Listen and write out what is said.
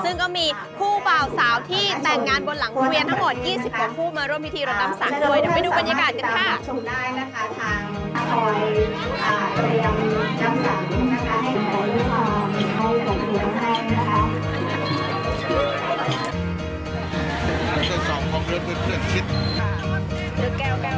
ซึ่งก็มีคู่บ่าวสาวที่แต่งงานบนหลังเมืองทั้งหมด๒๖ผู้มาร่วมพิธีรดน้ำสังเลย